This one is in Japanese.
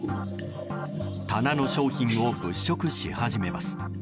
棚の商品を物色し始めます。